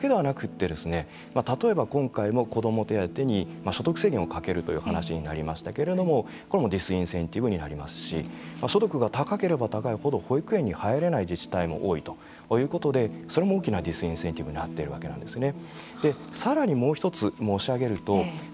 それだけではなくて例えば今回も子ども手当に所得制限をかけるという話になりましたけどこれもディスインセンティブになりますし所得が高ければ高いほど保育園に入れない自治体も多いということでそれも大きなデスインセンティブになっているわけですね。